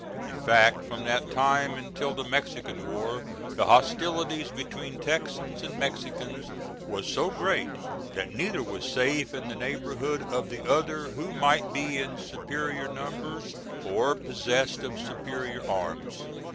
In fact, from that time until the Mexican war, the hostilities between Texans and Mexicans was so great that neither was safe in the neighborhood of the other who might be in superior numbers or possessed of superior arms.